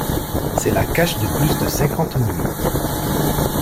C'est la cache de plus de cinquante momies.